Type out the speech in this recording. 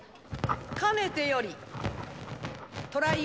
かねてよりトライ